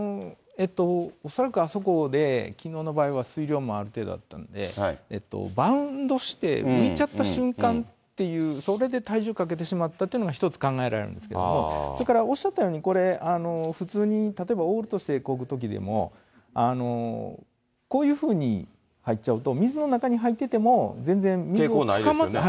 恐らくあそこで、きのうの場合は水量もある程度あったので、バウンドして浮いちゃった瞬間という、それで体重かけてしまったっていうのが一つ考えられるんですけれども、それからおっしゃったように、これ、普通に例えばオールとしてこぐときでも、こういうふうに入っちゃうと、水の中に入っていても、全然水をつかまない。